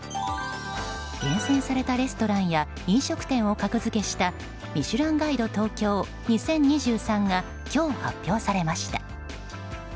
厳選されたレストランや飲食店を格付けした「ミシュランガイド東京２０２３」が今日、発表されました。